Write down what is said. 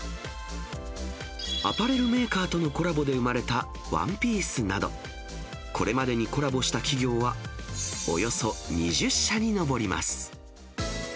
アパレルメーカーとのコラボで生まれたワンピースなど、これまでにコラボした企業はおよそ２０社に上ります。